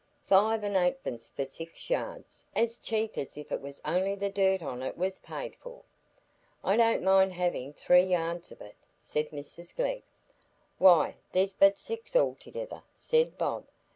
Five an' eightpence for six yards,—as cheap as if it was only the dirt on it as was paid for.'" "I don't mind having three yards of it,'" said Mrs Glegg. "Why, there's but six altogether," said Bob.